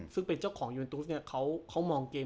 ซึ่งเป็นเจ้าของยูนตุสเนี่ยเขามองเกม